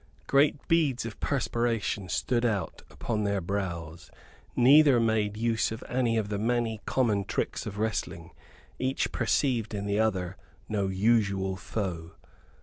Great beads of perspiration stood out upon their brows. Neither made any use of the many common tricks of wrestling: each perceived in the other no usual foe.